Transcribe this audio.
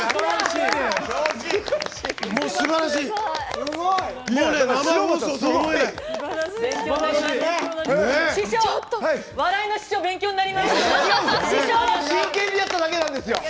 笑いの師匠勉強になります！